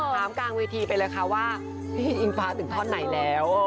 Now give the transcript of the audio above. กลางเวทีไปเลยค่ะว่าพี่อิงฟ้าถึงท่อนไหนแล้ว